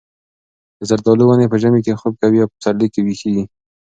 د زردالو ونې په ژمي کې خوب کوي او په پسرلي کې ویښېږي.